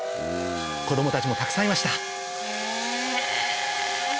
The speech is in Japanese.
子供たちもたくさんいました